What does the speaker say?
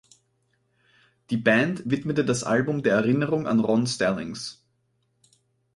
Die Band widmete das Album der Erinnerung an Ron Stallings.